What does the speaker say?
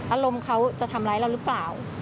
อารมณ์เขาจะทำร้ายเราหรือเปล่า